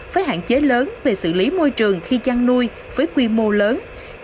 với hạn chế lớn về xử lý môi trường khi chăn nuôi với quy mô lớn